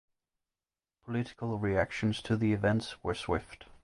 Political reactions to the events were swift.